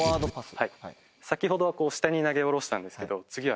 先程は下に投げ下ろしたんですけど次は。